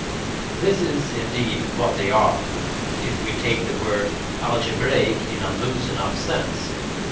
This is, indeed, what they are, if we take the word algebraic in a loose enough sense.